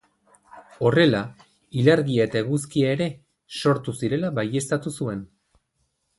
Horrela ilargia eta eguzkia ere sortu zirela baieztatu zuen.